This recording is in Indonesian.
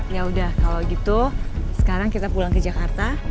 ya udah kalau gitu sekarang kita pulang ke jakarta